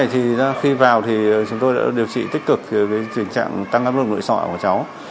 khi vào thì chúng tôi đã điều trị tích cực với tình trạng tăng cấp lượng nội sọ của cháu